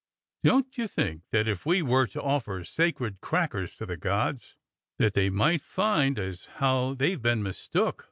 "* Don't you think that if we were to offer sacred crackers to the gods that they might find as how they've been mistook.